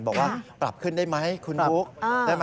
บอกว่าปรับขึ้นได้ไหมคุณบุ๊กได้ไหม